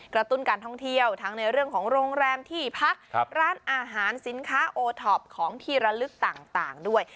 ตุ้นการท่องเที่ยวทั้งในเรื่องของโรงแรมที่พักร้านอาหารสินค้าโอท็อปของที่ระลึกต่างด้วย